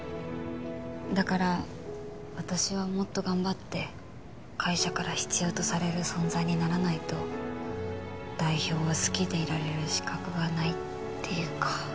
だから私はもっと頑張って会社から必要とされる存在にならないと代表を好きでいられる資格がないっていうか。